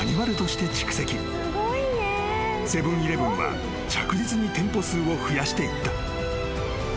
［セブン―イレブンは着実に店舗数を増やしていった］